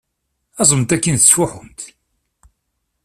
Aẓemt akin tettfuḥumt!